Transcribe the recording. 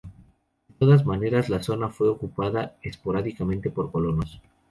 De todas maneras la zona fue ocupada esporádicamente por colonos.